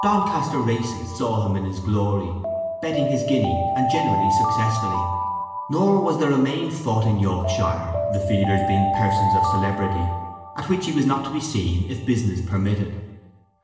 Doncaster races saw him in his glory, betting his guinea, and generally successfully; nor was there a main fought in Yorkshire, the feeders being persons of celebrity, at which he was not to be seen, if business permitted.